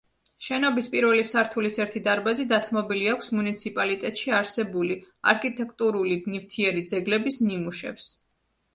შენობის პირველი სართულის ერთი დარბაზი დათმობილი აქვს მუნიციპალიტეტში არსებული არქიტექტურული ნივთიერი ძეგლების ნიმუშებს.